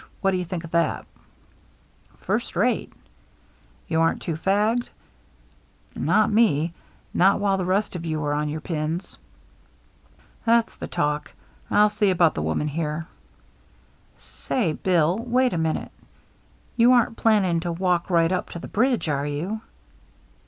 What do you think of that ?"" First rate." " You aren't too fagged ?" THE MEETING 343 " Not me — not while the rest of you are on your pins." " That's the talk. I'll see about the woman here." " Say, Bill, wait a minute. You aren't plan ning to walk right up to the bridge, are you